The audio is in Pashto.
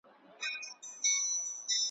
یوه غټه زنګوله یې وه په غاړه `